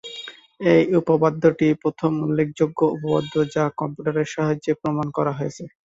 এই উপপাদ্যটি প্রথম উল্লেখযোগ্য উপপাদ্য যা কম্পিউটারের সাহায্যে প্রমাণ করা হয়েছে।